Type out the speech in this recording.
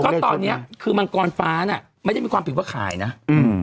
ก็ตอนเนี้ยคือมังกรฟ้าน่ะไม่ได้มีความผิดว่าขายนะอืม